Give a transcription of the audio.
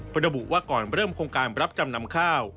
ระบุว่าก่อนเริ่มโครงการรับจำนำข้าว